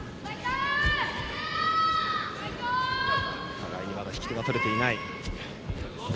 互いに引き手が取れていない。